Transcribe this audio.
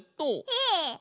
ええ？